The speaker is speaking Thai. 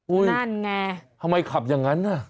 นั่นไงทำไมขับอย่างนั้นน่ะ